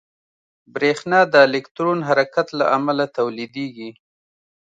برېښنا د الکترون حرکت له امله تولیدېږي.